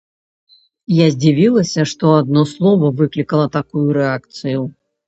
Я здзівілася, што адно слова выклікала такую рэакцыю.